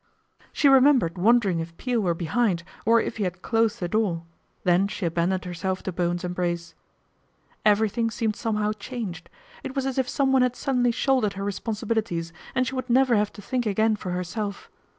She remembered 301 302 PATRICIA BRENT, SPINSTER wondering if Peel were behind, or if he had closed the door, then she abandoned herself to Bowen's embrace. Everything seemed somehow changed. It was as if someone had suddenly shouldered her respon sibilities, and she would never have to think again for herself.